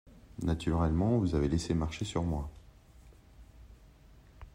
Naturellement, vous avez laissé marcher sur moi !